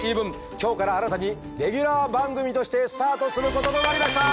今日から新たにレギュラー番組としてスタートすることとなりました！